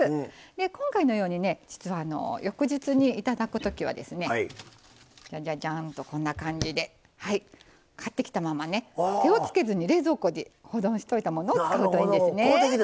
今回のように実は翌日にいただくときはジャジャンと、こんな感じで買ってきたまま手をつけずに冷蔵庫に保存しておいたものを使うといいんです。